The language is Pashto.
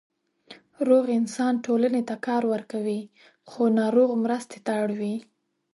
روغ انسان ټولنې ته کار ورکوي، خو ناروغ مرستې ته اړ وي.